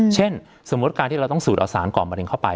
เช่นสมมุติการที่เราต้องสูดเอาสารก่อนมะเร็งเข้าไป